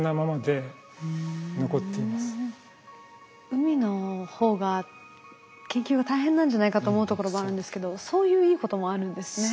海の方が研究が大変なんじゃないかと思うところもあるんですけどそういういいこともあるんですね。